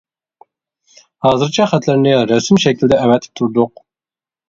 ھازىرچە خەتلەرنى رەسىم شەكلىدە ئەۋەتىپ تۇردۇق.